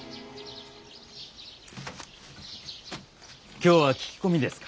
今日は聞き込みですか？